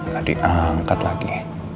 gak diangkat lagi